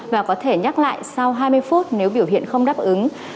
và có thể nhắc lại sau hai mươi phút nếu biểu hiện không đáp ứng